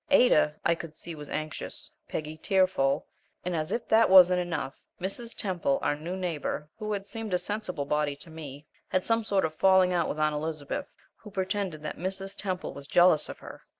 Ada, I could see, was anxious; Peggy, tearful; and, as if this wasn't enough, Mrs. Temple, our new neighbor, who had seemed a sensible body to me, had some sort of a falling out with Aunt Elizabeth, who pretended that Mrs. Temple was jealous of her!